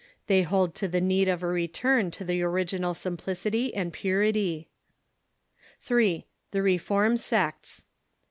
They hold to the need of a return to the original simplicity and purity. (3.) The reform sects.